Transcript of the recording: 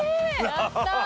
やったー！